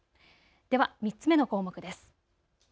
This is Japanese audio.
では３つ目の項目です。